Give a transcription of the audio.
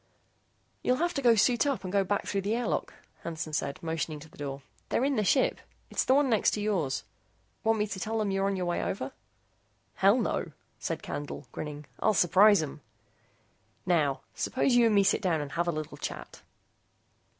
"You'll have to go suit up and go back through the airlock," Hansen said, motioning to the door. "They're in their ship. It's the one next to yours. Want me to tell them you're on your way over?" "Hell, no," said Candle, grinning, "I'll surprise 'em. Now, suppose you and me sit down and have a little chat."